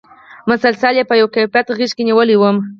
مسلسل یې په یوه کیفیت غېږ کې نېولی وم.